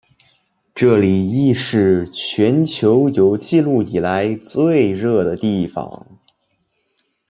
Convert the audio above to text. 这里亦是全球有纪录以来最热的地方。